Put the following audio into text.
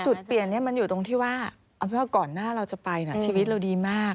จุดเปลี่ยนมันอยู่ตรงที่ว่าก่อนหน้าเราจะไปชีวิตเราดีมาก